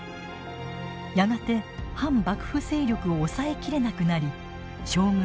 やがて反幕府勢力を抑え切れなくなり将軍